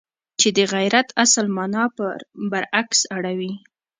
چې د غیرت اصل مانا پر برعکس اوړي.